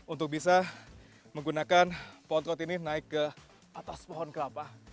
untuk bisa menggunakan pohon pot ini naik ke atas pohon kelapa